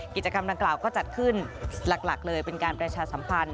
กิจกรรมดังกล่าวก็จัดขึ้นหลักเลยเป็นการประชาสัมพันธ